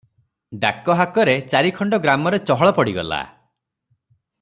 ଡାକହାକରେ ଚାରିଖଣ୍ଡ ଗ୍ରାମରେ ଚହଳ ପଡିଗଲା ।